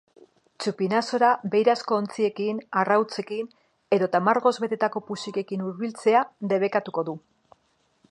Txupinazora beirazko ontziekin, arrautzekin edota margoz betetako puxikekin hurbiltzea debekatuko du.